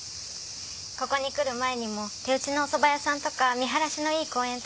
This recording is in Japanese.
ここに来る前にも手打ちのおそば屋さんとか見晴らしのいい公園とか。